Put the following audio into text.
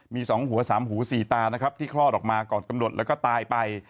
มี๒หัว๓หู๔ตานะครับที่คลอดออกมาก่อนกำหนดแล้วก็ตายไป